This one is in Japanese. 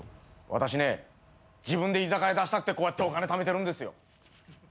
私ね自分で居酒屋出したくてこうやってお金ためてるんですよ。